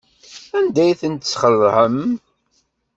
Anda ay ten-tesxelɛem?